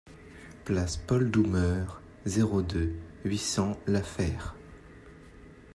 Place Paul Doumer, zéro deux, huit cents La Fère